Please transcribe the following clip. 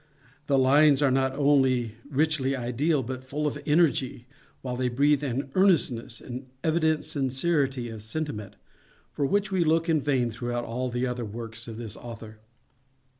The lines are not only richly ideal, but full of energy, while they breathe an earnestness, an evident sincerity of sentiment, for which we look in vain throughout all the other works of this author.